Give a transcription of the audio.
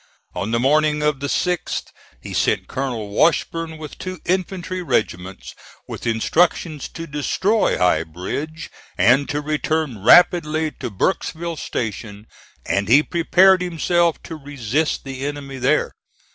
On the morning of the 6th he sent Colonel Washburn with two infantry regiments with instructions to destroy High Bridge and to return rapidly to Burkesville Station; and he prepared himself to resist the enemy there.